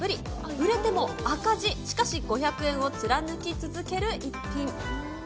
売れても赤字、しかし５００円を貫き続ける一品。